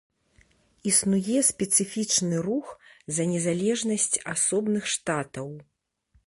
Існуе спецыфічны рух за незалежнасць асобных штатаў.